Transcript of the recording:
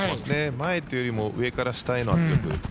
前というよりも上から下への圧力。